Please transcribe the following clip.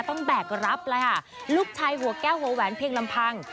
แบกรับเลยค่ะลูกชายหัวแก้วหัวแหวนเพียงลำพัง